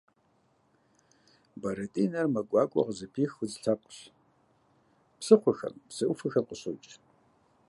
Бэрэтӏинэр мэ гуакӏуэ къызыпих удз лъэпкъщ, псыхъуэхэм, псы ӏуфэхэм къыщокӏ.